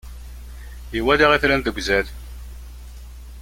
Iwala itran deg uzal.